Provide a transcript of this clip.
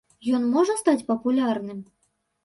Ён можа стаць папулярным?